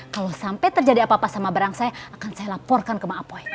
kalau sampai terjadi apa apa sama barang saya akan saya laporkan ke ⁇ apoy